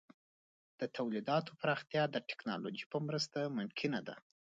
د تولیداتو پراختیا د ټکنالوژۍ په مرسته ممکنه ده.